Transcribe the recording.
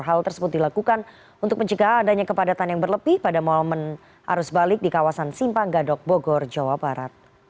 hal tersebut dilakukan untuk mencegah adanya kepadatan yang berlebih pada momen arus balik di kawasan simpang gadok bogor jawa barat